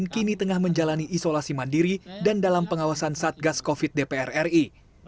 kini tengah menjalani isolasi mandiri dan dalam pengawasan satgas covid dpr ri